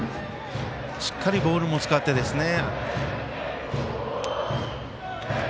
しっかりボールも使ってですね。